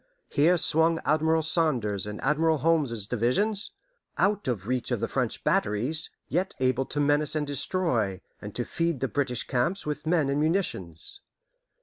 Here swung Admiral Saunders's and Admiral Holmes's divisions, out of reach of the French batteries, yet able to menace and destroy, and to feed the British camps with men and munitions.